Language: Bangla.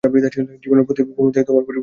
জীবনের প্রতি মুহূর্তেই তোমার পরিবর্তন হইতেছে।